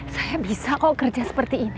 saya bisa kok kerja seperti ini